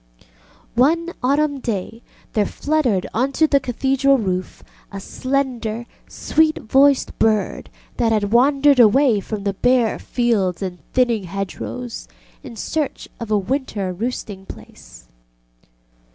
One autumn day there fluttered on to the Cathedral roof a slender, sweet voiced bird that had wandered away from the bare fields and thinning hedgerows in search of a winter roosting place.